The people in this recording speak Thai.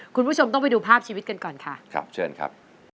คุณผู้ชมต้องไปดูภาพชีวิตกันก่อนค่ะครับเชิญครับ